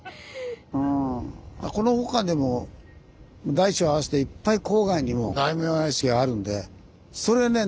この他でも大小合わせていっぱい郊外にも大名屋敷があるんでそれね